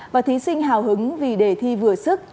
và thí sinh hào hứng vì đề thi vừa sức